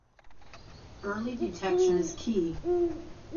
Early detection is key.